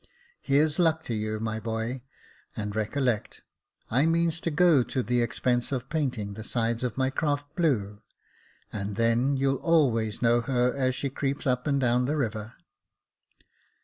Here's luck to you, my boy ; and recollect, I means to go to the expense of painting the sides of my craft blue, and then you'll always know her as she creeps up and down the river."